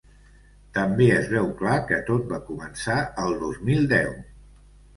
També es veu clar que tot va començar el dos mil deu.